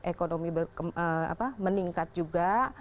ekonomi meningkat juga